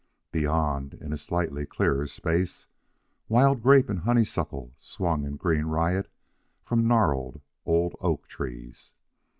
Beyond, in a slightly clearer space, wild grape and honeysuckle swung in green riot from gnarled old oak trees.